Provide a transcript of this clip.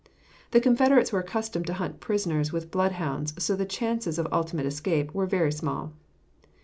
The Confederates were accustomed to hunt prisoners with bloodhounds, so the chances of ultimate escape were very small.